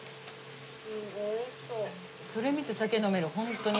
それ見て酒飲めるホントに。